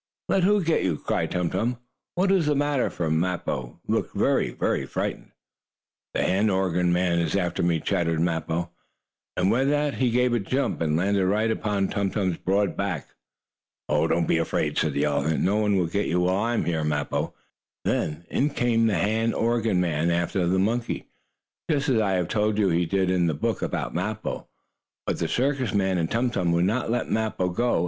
"Let who get you?" cried Tum Tum. "What is the matter?" for Mappo looked very frightened. "The hand organ man is after me!" chattered Mappo, and with that he gave a jump, and landed right upon Tum Tum's broad back. "Don't be afraid," said the elephant. "No one will get you while I am here, Mappo," and Tum Tum swung his long trunk. Then in came the hand organ man after the monkey, just as I have told you he did in the book about Mappo. But the circus men and Tum Tum would not let Mappo go.